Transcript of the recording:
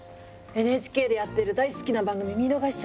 ＮＨＫでやってる大好きな番組見逃しちゃったのよ。